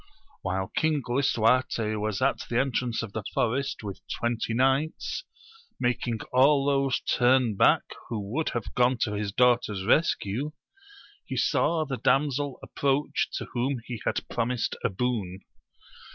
While King Lisuarte was at the entrance of the forest with twenty knights, making all those turn back who would have gone to his daughter's rescue, he saw the damsel approach to whom he had promised a boon.